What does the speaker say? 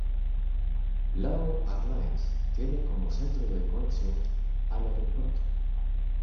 Lao Airlines tiene como centro de conexión al aeropuerto.